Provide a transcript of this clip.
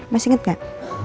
masih inget gak